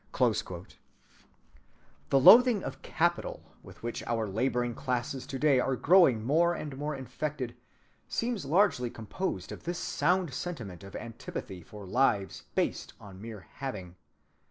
"(192) The loathing of "capital" with which our laboring classes to‐day are growing more and more infected seems largely composed of this sound sentiment of antipathy for lives based on mere having.